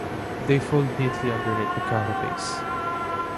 They fold neatly underneath the carapace.